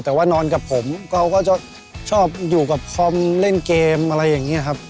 แต่ว่านอนกับผมเขาก็จะชอบอยู่กับคอมเล่นเกมอะไรอย่างนี้ครับ